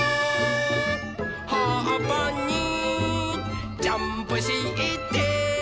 「はっぱにジャンプして」